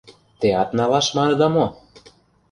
Теат «налаш» маныда мо?